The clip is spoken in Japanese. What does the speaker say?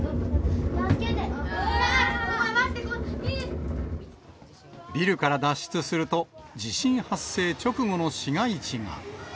助けて、わー、待って、ビルから脱出すると、地震発生直後の市街地が。